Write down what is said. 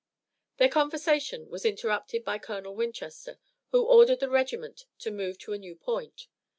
Their conversation was interrupted by Colonel Winchester, who ordered the regiment to move to a new point.